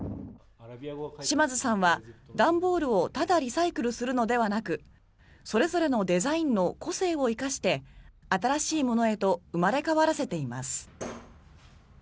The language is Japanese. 島津さんは段ボールをただリサイクルするのではなくそれぞれのデザインの個性を生かして新しいものへと生まれ変わらせています。